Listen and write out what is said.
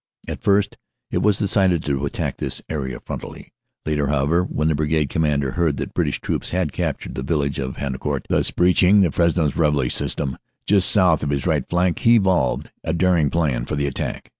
"At first it was decided to attack this area f rontally. Later, however, when the Brigade Commander heard that British troops had captured the village of Hendecourt, thus breaching the Fresnes Rouvroy system just south of his right flank, he evolved a daring plan for the attack.